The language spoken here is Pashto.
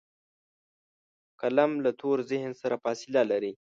قلم له تور ذهن سره فاصله لري